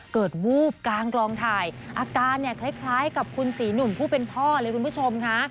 วูบกลางกลองถ่ายอาการเนี่ยคล้ายกับคุณศรีหนุ่มผู้เป็นพ่อเลยคุณผู้ชมค่ะ